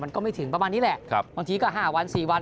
ก็ไม่ถึงประมาณนี้แหละบางทีก็๕วัน๔วัน